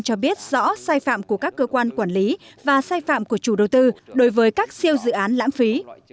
cho biết rõ sai phạm của các cơ quan quản lý và sai phạm của chủ đầu tư đối với các siêu dự án lãng phí